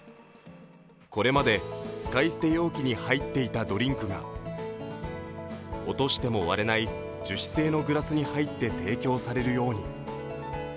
これまで使い捨て容器に入っていたドリンクが、落としても割れない樹脂製のグラスに入って提供されるように。